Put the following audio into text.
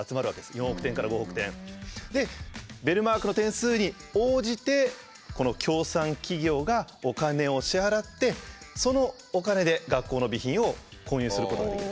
４億点から５億点。でベルマークの点数に応じてこの協賛企業がお金を支払ってそのお金で学校の備品を購入することができる。